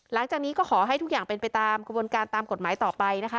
หลังจากนี้ก็ขอให้ทุกอย่างเป็นไปตามกระบวนการตามกฎหมายต่อไปนะคะ